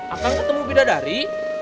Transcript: akang ketemu bidadari